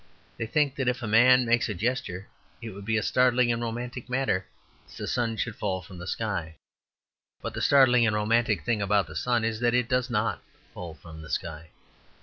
They think that if a man makes a gesture it would be a startling and romantic matter that the sun should fall from the sky. But the startling and romantic thing about the sun is that it does not fall from the sky.